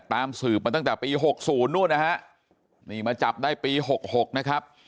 ตามสืบมาตั้งแต่ปีหกศูนย์นู้นนะฮะนี่มาจับได้ปีหกหกนะครับ